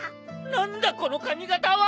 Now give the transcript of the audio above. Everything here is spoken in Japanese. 何だこの髪形は！？